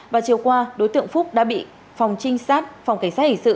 và chiều qua đối tượng phúc đã bị phòng trinh sát phòng cảnh sát hình sự